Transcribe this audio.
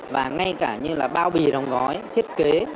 và ngay cả bao bì đồng gói thiết kế